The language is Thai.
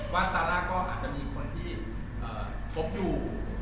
ซาร่าก็อาจจะมีคนที่พบอยู่